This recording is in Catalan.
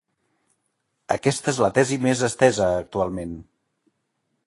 Aquesta és la tesi més estesa actualment.